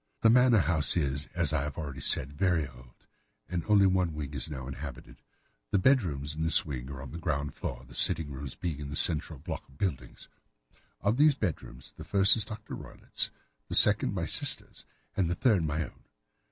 The manor house is, as I have already said, very old, and only one wing is now inhabited. The bedrooms in this wing are on the ground floor, the sitting rooms being in the central block of the buildings. Of these bedrooms the first is Dr. Roylott's, the second my sister's, and the third my own.